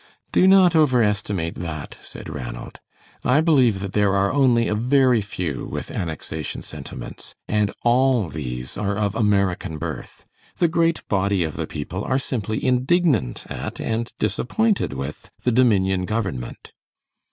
"Do not over estimate that," said Ranald; "I believe that there are only a very few with annexation sentiments, and all these are of American birth. The great body of the people are simply indignant at, and disappointed with, the Dominion government."